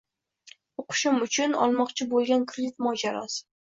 O‘qishim uchun olmoqchi bo‘lgan kredit mojarosi.